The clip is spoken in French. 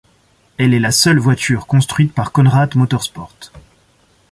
Elle est la seule voiture construite par Konrad Motorsport.